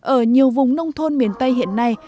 ở nhiều vùng nông thôn miền tây hiện nay